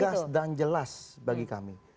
tegas dan jelas bagi kami